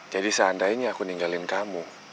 jadi seandainya aku ninggalin kamu